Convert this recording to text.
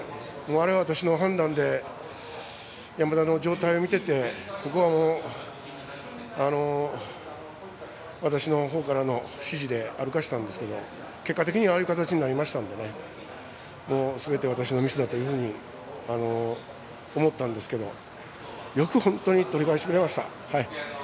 あれは私の判断で山田の状態を見ててここは、私の方からの指示で歩かせたんですが、結果的にはああいう形になりましたのでもうすべて私のミスだというふうに思ったんですけどよく、本当に取り返してくれました。